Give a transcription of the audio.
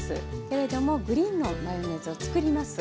けれどもグリーンのマヨネーズを作ります。